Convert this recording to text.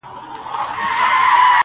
ځوان پر لمانځه ولاړ دی!